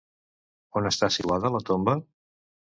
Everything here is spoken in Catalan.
On està situada la tomba?